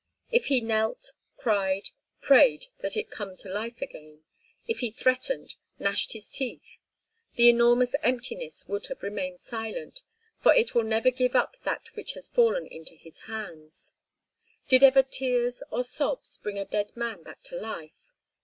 If he knelt, cried, prayed that it come to life again—if he threatened, gnashed his teeth—the enormous emptiness would have remained silent, for it will never give up that which has fallen into its hands. Did ever tears or sobs bring a dead man back to life?